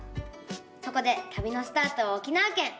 そこでたびのスタートは沖縄県。